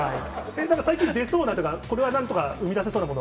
なんか最近、出そうとか、これはなんとか生み出せそうなものは？